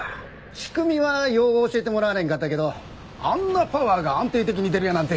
仕組みはよう教えてもらわれへんかったけどあんなパワーが安定的に出るやなんて